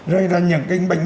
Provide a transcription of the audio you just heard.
rồi là những cái bệnh nhân